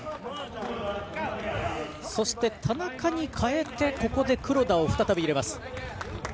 そして、田中に代えて黒田をここで再び入れます。